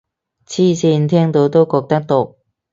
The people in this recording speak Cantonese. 黐線，聽到都覺得毒